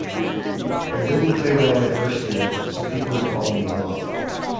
I didn't play well my first year so people were on me a lot.